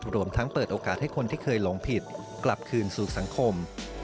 รวมทั้งเปิดโอกาสให้คนที่เคยหลงผิดกลับคืนสู่สังคม